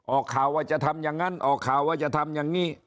ออกข่าวว่าจะทำอย่างนั้นออกข่าวว่าจะทำอย่างนี้